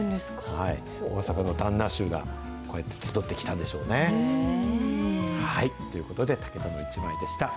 大阪の旦那衆が、こうやって集ってきたんでしょうね。ということで、タケタのイチマイでした。